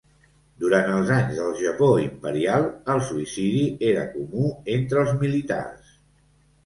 Durant els anys del Japó imperial, el suïcidi era comú entre els militars.